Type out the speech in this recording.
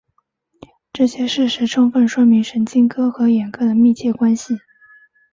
这些事实充分说明神经科和眼科的密切关系。